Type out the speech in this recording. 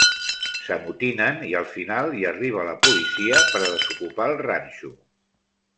S'amotinen, i al final hi arriba la policia per a desocupar el ranxo.